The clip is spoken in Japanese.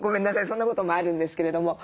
そんなこともあるんですけれども。